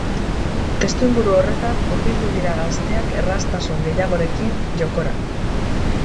Testuinguru horretan hurbildu dira gazteak erraztasun gehiagorekin jokora.